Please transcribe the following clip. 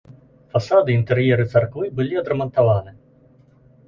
Фасады і інтэр'еры царквы былі адрамантаваны.